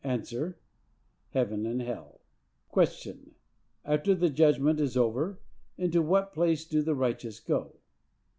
—A. Heaven and hell. Q. After the Judgment is over, into what place do the righteous go?